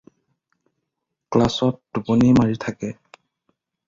ক্লাছত টোপনি মাৰি থাকে।